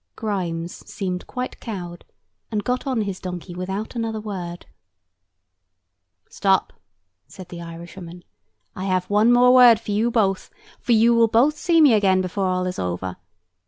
Grimes seemed quite cowed, and got on his donkey without another word. "Stop!" said the Irishwoman. "I have one more word for you both; for you will both see me again before all is over.